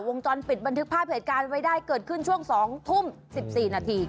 วงจรปิดบันทึกภาพเหตุการณ์ไว้ได้เกิดขึ้นช่วง๒ทุ่ม๑๔นาที